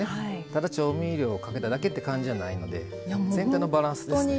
ただ調味料をかけただけって感じじゃないので全体のバランスが。